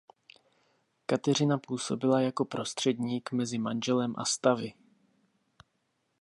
Kateřina působila jako prostředník mezi manželem a stavy.